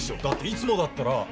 だっていつもだったら。